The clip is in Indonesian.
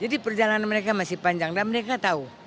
jadi perjalanan mereka masih panjang dan mereka tahu